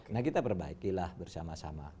nah kita perbaikilah bersama sama